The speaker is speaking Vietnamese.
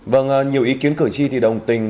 vâng nhiều ý kiến cử tri thì đồng tình